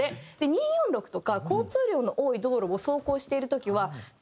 ２４６とか交通量の多い道路を走行している時は。